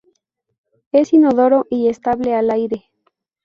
Es inodoro y estable al aire.